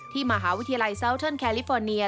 มหาวิทยาลัยซาวเทิร์นแคลิฟอร์เนีย